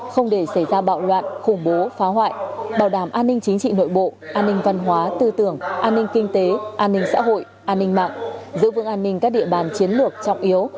không để xảy ra bạo loạn khủng bố phá hoại bảo đảm an ninh chính trị nội bộ an ninh văn hóa tư tưởng an ninh kinh tế an ninh xã hội an ninh mạng giữ vững an ninh các địa bàn chiến lược trọng yếu